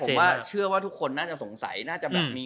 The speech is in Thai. ตู้เชื่อว่าทุกคนน่าจะสงสัยเอ่ย